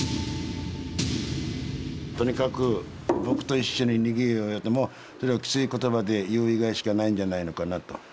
とにかく「僕と一緒に逃げようよ」とそれをきつい言葉で言う以外しかないんじゃないのかなと。